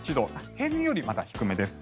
平年よりまだ低めです。